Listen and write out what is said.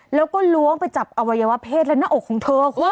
แล้วก็ล้วงไปจับอวัยวะเพศและหน้าอกของเธอคุณ